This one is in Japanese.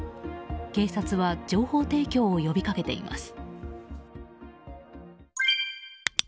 警察は情報提供を呼びかけています。